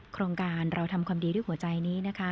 โครงการเราทำความดีด้วยหัวใจนี้นะคะ